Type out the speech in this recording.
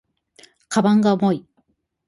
鞄が重い